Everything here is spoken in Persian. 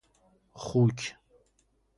خوک